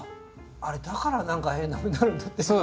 あれだから何か変なふうになるんだ手が。